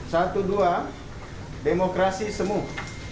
satu dua demokrasi semuh